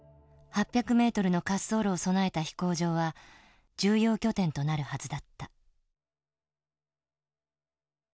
８００ｍの滑走路を備えた飛行場は重要拠点となるはずだった。